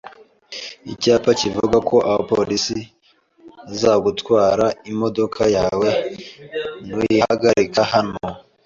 Icyapa kivuga ko abapolisi bazagutwara imodoka yawe nuyihagarika hano